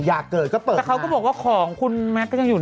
อยากเกิดก็เปิดแต่เขาก็บอกว่าของคุณแมทก็ยังอยู่